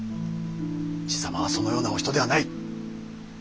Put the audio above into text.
爺様はそのようなお人ではない。